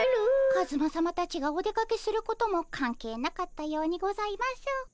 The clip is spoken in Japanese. カズマさまたちがお出かけすることも関係なかったようにございます。